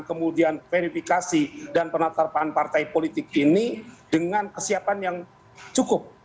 kemudian verifikasi dan penataran partai politik ini dengan kesiapan yang cukup